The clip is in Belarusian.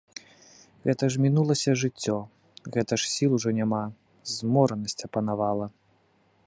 Гэта ж мінулася жыццё, гэта ж сіл ужо няма, зморанасць апанавала.